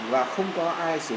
và không có ai xử lý cả